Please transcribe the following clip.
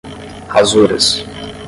rasuras